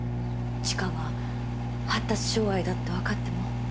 知花が発達障害だって分かっても？